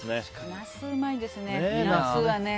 ナスうまいですね。